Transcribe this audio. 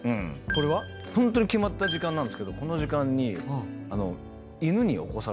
ホントに決まった時間なんですけどこの時間に。